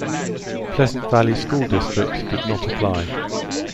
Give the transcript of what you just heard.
Pleasant Valley School District did not apply.